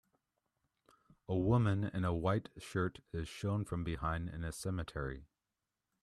A woman in a white shirt is shown from behind in a cemetery.